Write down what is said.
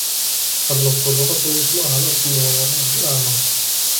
اللطف لغةً يسمعها الأصم ، ويراها الأعمى.